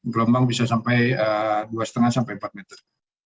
gelombang bisa sampai dua lima sampai empat meter